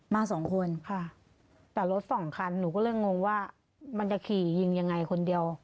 มาสองคนค่ะแต่รถสองคันหนูก็เลยงงว่ามันจะขี่ยิงยังไงคนเดียว